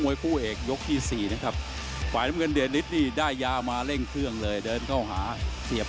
เนี่ยเดริตอยากได้๓แสนหรือเปล่าเนี่ย